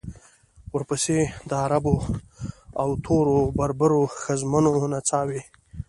ورپسې د عربو او تورو بربرو ښځمنو نڅاوې.